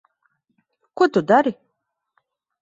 Ko tu dari?